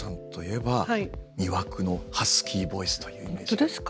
本当ですか？